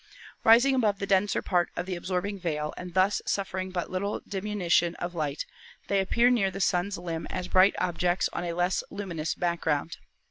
Rising above the denser part of the absorbing veil and thus suffering but little diminution of light, they appear near the Sun's limb as bright objects on a less luminous background.